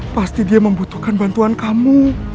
pasti dia membutuhkan bantuan kamu